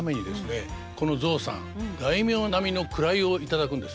この象さん大名並みの位を頂くんです。